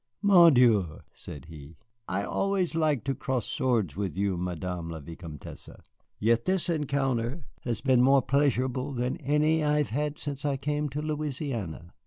"Mon Dieu," said he, "I always like to cross swords with you, Madame la Vicomtesse, yet this encounter has been more pleasurable than any I have had since I came to Louisiana.